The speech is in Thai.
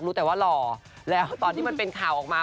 รู้แต่ว่าหล่อแล้วตอนที่มันเป็นข่าวออกมา